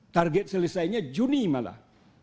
target selesainya juni malah